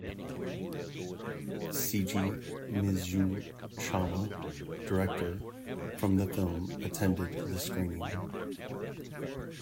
Seiji Mizushima, director from the film, attended the screening.